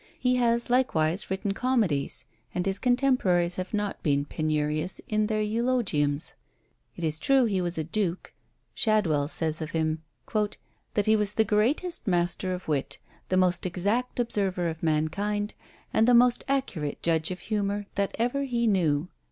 He has likewise written comedies, and his contemporaries have not been, penurious in their eulogiums. It is true he was a duke. Shadwell says of him, "That he was the greatest master of wit, the most exact observer of mankind, and the most accurate judge of humour that ever he knew."